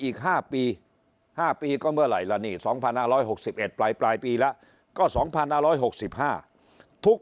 อีก๕ปี๕ปีก็เมื่อไหร่แล้วนี่๒๕๖๑ปลายปีแล้วก็๒๕๖๕ทุก